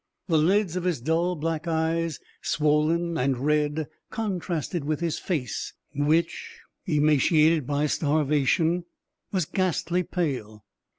The lids of his dull black eyes, swollen and red, contrasted with his face, which, emaciated by starvation, was ghastly pale.